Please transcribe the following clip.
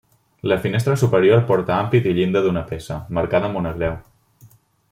La finestra superior porta ampit i llinda d'una peça, marcada amb una creu.